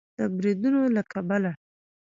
د بریدونو له کبله